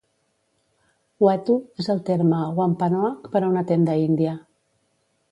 "Wetu" és el terme wampanoag per a una tenda índia.